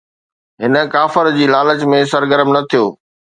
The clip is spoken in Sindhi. هن ڪافر جي لالچ ۾ سرگرم نه ٿيو